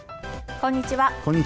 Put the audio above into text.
こんにちは。